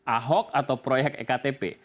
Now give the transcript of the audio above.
ahok atau proyek iktp